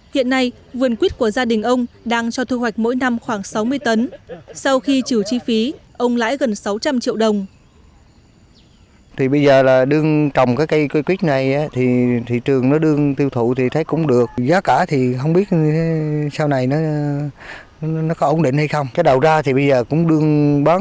hiện nay vườn quyết của gia đình ông đang cho thu hoạch mỗi năm khoảng sáu mươi tấn sau khi chịu chi phí ông lãi gần sáu trăm linh triệu đồng